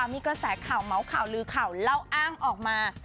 มีกระแสข่าวเมาส์ข่าวลือข่าวเล่าอ้างออกมา